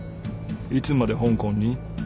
いつまで香港に？